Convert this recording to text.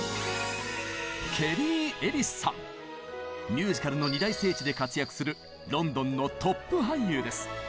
ミュージカルの二大聖地で活躍するロンドンのトップ俳優です。